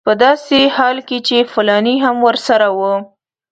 په داسې حال کې چې فلانی هم ورسره و.